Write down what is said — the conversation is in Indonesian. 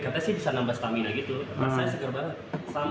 katanya sih bisa nambah stamina gitu rasanya segar banget